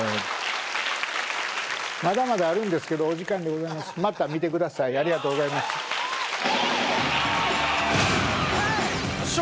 まだまだあるんですけどお時間でございますまた見てくださいありがとうございました